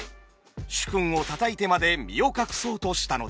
主君を叩いてまで身を隠そうとしたのです。